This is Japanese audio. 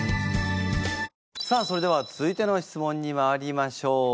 さあそれでは続いての質問にまいりましょう！